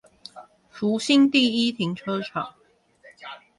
福興第一停車場